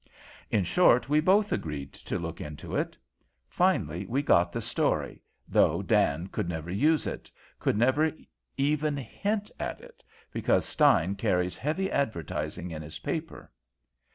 In short, we both agreed to look into it. Finally, we got the story, though Dan could never use it, could never even hint at it, because Stein carries heavy advertising in his paper.